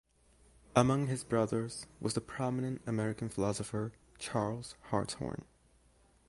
Among his brothers was the prominent American philosopher Charles Hartshorne.